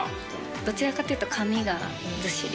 どちらかというと、髪がずっしり。